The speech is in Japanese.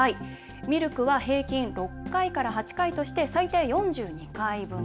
ミルクは平均６回から８回として最低４２回分。